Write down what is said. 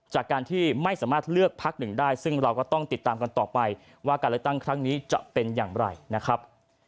จากการที่ไม่สามารถเลือกพักหนึ่งได้ซึ่งเราก็ต้องติดตามกันต่อไปว่าการเลือกตั้งครั้งนี้จะเป็นอย่างไรนะครับ